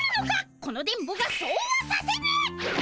この電ボがそうはさせぬ！